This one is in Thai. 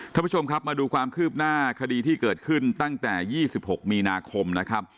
ท่านผู้ชมครับมาดูความคืบหน้าคดีที่เกิดขึ้นตั้งแต่๒๖มีนาคมนะครับ